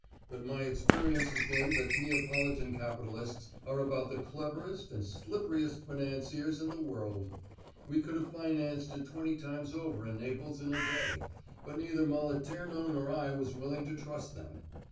But my experience has been that Neapolitan capitalists are about the cleverest and slipperiest financiers in the world. We could have financed it twenty times over in Naples in a day, but neither Moliterno nor I was willing to trust them.